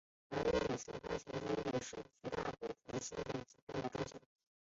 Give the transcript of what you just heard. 而伊底帕斯情结也是绝大部分心理疾病的中心。